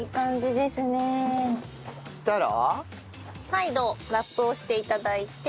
再度ラップをして頂いて。